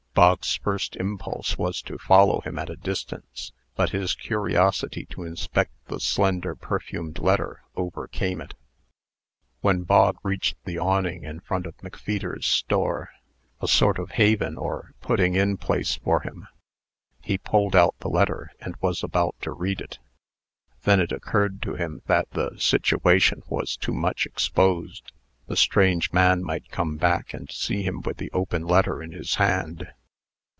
Bog's first impulse was to follow him at a distance; but his curiosity to inspect the slender, perfumed letter, overcame it. When Bog reached the awning in front of McFeeter's store a sort of haven or putting in place for him he pulled out the letter, and was about to read it. Then it occurred to him that the situation was too much exposed. The strange man might come back, and see him with the open letter in his hand.